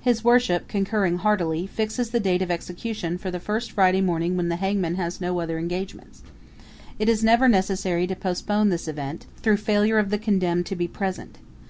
His Worship, concurring heartily, fixes the date of execution for the first Friday morning when the hangman has no other engagements. It is never necessary to postpone this event through failure of the condemned to be present.